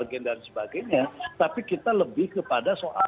jadi kita lebih kepada